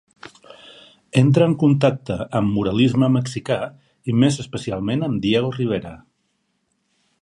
Entra en contacte amb muralisme mexicà i més especialment amb Diego Rivera.